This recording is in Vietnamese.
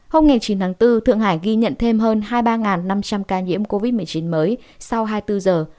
hôm chín tháng bốn thượng hải ghi nhận thêm hơn hai mươi ba năm trăm linh ca nhiễm covid một mươi chín mới sau hai mươi bốn giờ